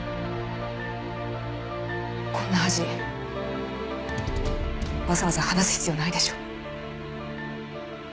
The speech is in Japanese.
こんな恥わざわざ話す必要ないでしょ。